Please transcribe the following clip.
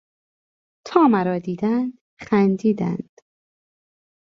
تا مرا دیدند خندیدند.